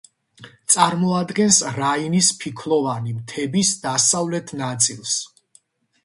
წარმოადგენს რაინის ფიქლოვანი მთების დასავლეთ ნაწილს.